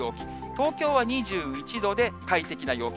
東京は２１度で快適な陽気。